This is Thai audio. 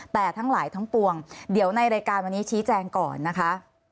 แต่ทั้งหลายทั้งปวงเดี๋ยวในรายการวันนี้ชี้แจงก่อนนะคะ